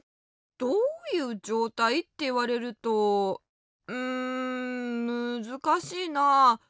どういうじょうたいっていわれるとうんむずかしいなあ。